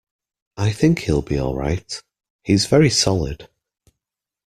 I think he’ll be all right. He’s very solid.